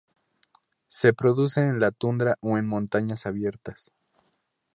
Se reproduce en la tundra o en montañas abiertas.